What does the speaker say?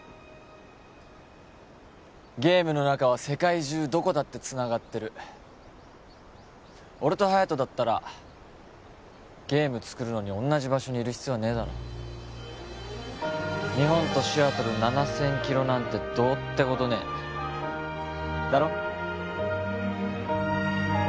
ゲームの中は世界中どこだってつながってる俺と隼人だったらゲーム作るのに同じ場所にいる必要はねえだろ日本とシアトル７０００キロなんてどうってことねえだろ？